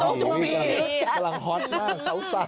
กำลังฮอตมากเขาสร้าง